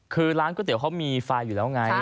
คือร้านก๋วยเตี๋ยเขามีไฟล์อยู่แล้วไง